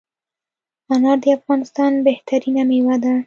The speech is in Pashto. انار دافغانستان بهترینه میوه ده